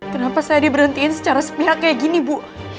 kenapa saya diberhentikan secara sepihak kayak gini bu